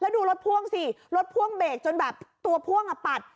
ดูรถพ่วงสิรถพ่วงเบรกจนแบบตัวพ่วงอ่ะปัด